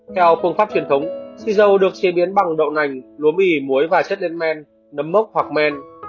theo phương pháp truyền thống xì dầu được chế biến bằng đậu nành lúa mì muối và chất lên men nấm mốc hoặc men